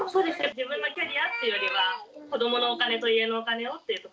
自分のキャリアっていうよりは子どものお金と家のお金をっていうところが大きいですね。